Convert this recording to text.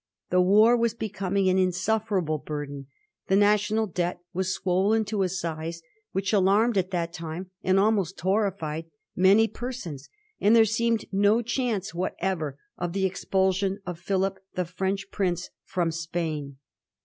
The war was becoming an insuflferable burden. The National Debt was swollen to a size which alarmed at that time and almost horri fied many persons, and there seemed no chance what ever of the expulsion of Philip, the French prince, firom Spain.